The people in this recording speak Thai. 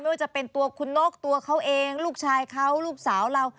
ไม่ว่าจะเป็นตัวคุณนกตัวเขาเองลูกชายเขาลูกสาวเรา